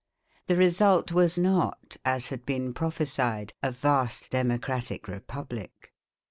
The result was not, as had been prophesied, a vast democratic republic.